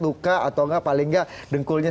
luka atau enggak paling nggak dengkulnya